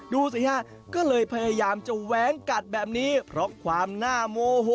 ดูสิฮะก็เลยพยายามจะแว้งกัดแบบนี้เพราะความน่าโมโห